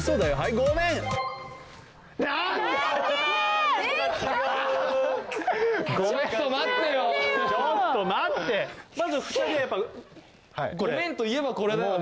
ごめんといえばこれだよね。